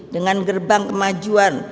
dengan gerbang kemajuan